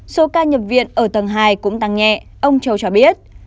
số ca nhập viện ở tầng hai cũng tăng nhẹ ông châu cho biết